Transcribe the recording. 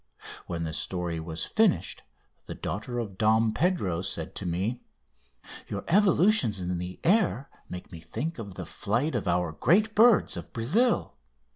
When the story was finished the daughter of Dom Pedro said to me: "Your evolutions in the air make me think of the flight of our great birds of Brazil.